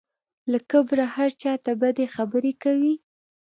له کبره هر چا ته بدې خبرې کوي.